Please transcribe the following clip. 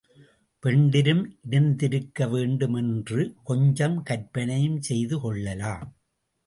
பெண்டிரும் இருந்திருக்க வேண்டும் என்று கொஞ்சம் கற்பனையும் செய்து கொள்ளலாம்.